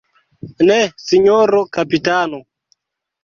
Ne, sinjoro kapitano.